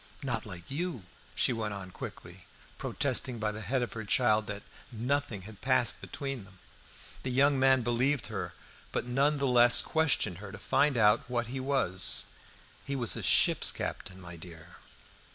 "Not like you," she went on quickly, protesting by the head of her child that "nothing had passed between them." The young man believed her, but none the less questioned her to find out what he was. "He was a ship's captain, my dear."